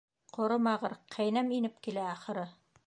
Ҡоромағыр, ҡәйнәм инеп килә, ахыры.